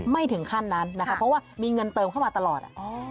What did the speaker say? ไม่ถึงขั้นนั้นนะคะเพราะว่ามีเงินเติมเข้ามาตลอด